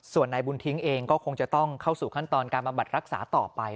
ส่วนนายบุญทิ้งเองก็คงจะต้องเข้าสู่ขั้นตอนการบำบัดรักษาต่อไป